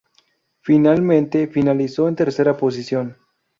Finalmente finalizó en tercera posición.